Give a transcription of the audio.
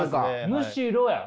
「むしろ」や。